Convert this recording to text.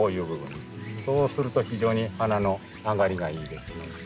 そうすると非常に花のあがりがいいですね。